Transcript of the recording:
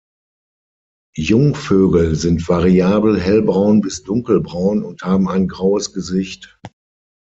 Jungvögel sind variabel hellbraun bis dunkelbraun und haben ein graues Gesicht.